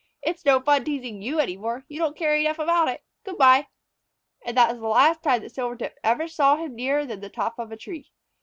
"It's no fun teasing you any more! You don't care enough about it! Good by!" And that was the last time that Silvertip ever saw him nearer than the top of a tree.